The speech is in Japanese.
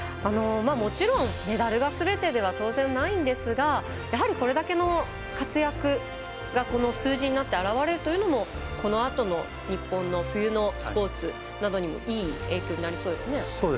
もちろん、メダルがすべてでは当然ないんですがやはりこれだけの活躍がこの数字になって表れるというのはこのあとの日本の冬のスポーツなどにもいい影響になりそうですね。